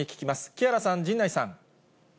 木原さん、陣内さん。